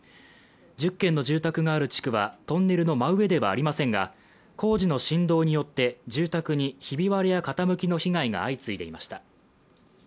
１０軒の住宅がある地区はトンネルの真上ではありませんが工事の振動によって住宅にひび割れや傾きの被害が相次いでいました。